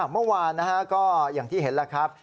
เมื่อวานก็อย่างที่เห็นแล้วครับ